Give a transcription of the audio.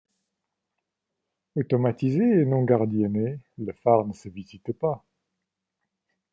Automatisé et non gardienné, le phare ne se visite pas.